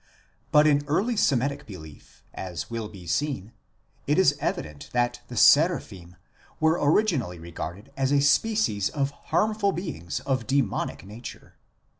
But in early Semitic belief, as will be seen, it is evident that the Seraphim were originally regarded as a species of harm ful beings of demonic nature.